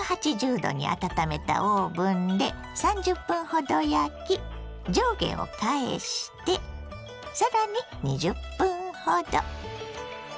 ℃に温めたオーブンで３０分ほど焼き上下を返してさらに２０分ほど。